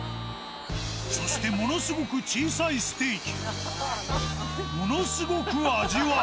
そしてものすごく小さいステーキをものすごく味わう。